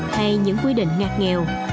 hay những quy định ngạc nghèo